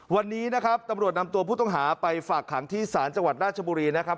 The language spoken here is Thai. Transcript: วันนี้นะครับตำรวจนำตัวผู้ต้องหาไปฝากขังที่ศาลจังหวัดราชบุรีนะครับ